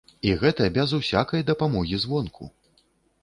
І гэта без усякай дапамогі звонку.